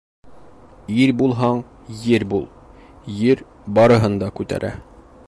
Ир булһаң, ер бул, ер барыһын да күтәрә.